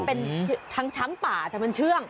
มันเป็นทั้งช้างป่าแต่มันเชื่อง